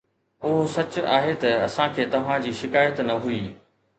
اهو سچ آهي ته اسان کي توهان جي شڪايت نه هئي